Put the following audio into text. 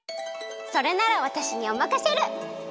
それならわたしにおまかシェル！